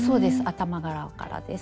頭側からです。